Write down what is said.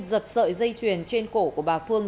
giật sợi dây chuyền trên cổ của bà phương